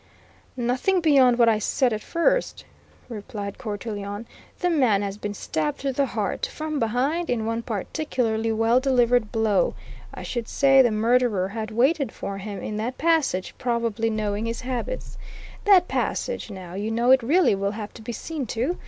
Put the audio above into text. "Nothing beyond what I said at first," replied Cortelyon. "The man has been stabbed through the heart, from behind, in one particularly well delivered blow. I should say the murderer had waited for him in that passage, probably knowing his habits. That passage, now you know it really will have to be seen to!